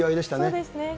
そうですね。